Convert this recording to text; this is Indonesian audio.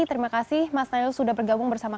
terima kasih mas nailul sudah bergabung bersama